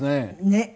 ねっ。